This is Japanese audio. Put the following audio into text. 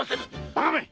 バカめっ！